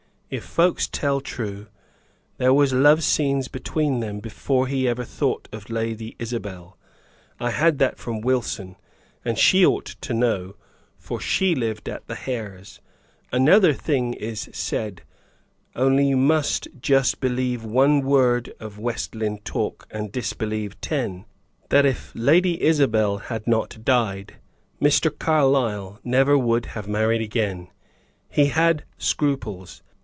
"If folks tell true, there was love scenes between them before he ever thought of Lady Isabel. I had that from Wilson, and she ought to know, for she lived at the Hares'. Another thing is said only you must just believe one word of West Lynne talk, and disbelieve ten that if Lady Isabel had not died, Mr. Carlyle never would have married again; he had scruples.